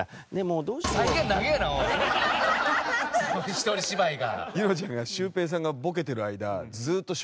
一人芝居が。